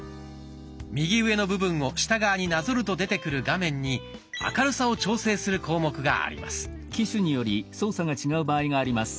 右上の部分を下側になぞると出てくる画面に明るさを調整する項目があります。